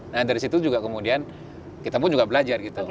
nah dari situ juga kemudian kita pun juga belajar gitu